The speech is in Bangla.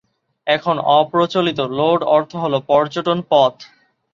এখন-অপ্রচলিত "লোড" অর্থ হল "পর্যটন, পথ"।